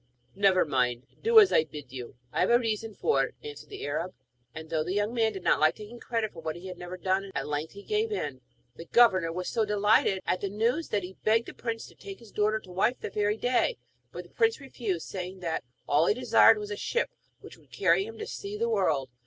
'Never mind; do as I bid you. I have a reason for it,' answered the Arab. And though the young man did not like taking credit for what he had never done, at length he gave in. The governor was so delighted at the news that he begged the prince to take his daughter to wife that very day; but the prince refused, saying that all he desired was a ship which would carry him to see the world.